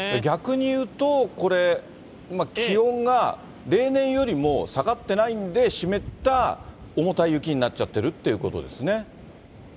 逆に言うと、これ、気温が例年よりも下がってないんで、湿った重たい雪になっちゃってるということですね。